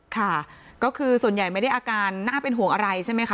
ค่ะก็คือส่วนใหญ่ไม่ได้อาการน่าเป็นห่วงอะไรใช่ไหมคะ